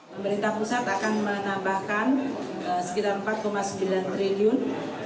pemerintah pusat akan menambahkan sekitar rp empat sembilan triliun